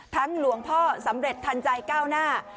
หลวงพ่อสำเร็จทันใจก้าวหน้า